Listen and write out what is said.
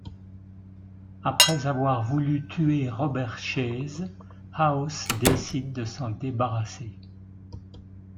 Après avoir voulu tuer Robert Chase, House décide de s'en débarrasser.